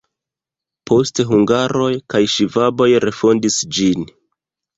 Poste hungaroj kaj ŝvaboj refondis ĝin.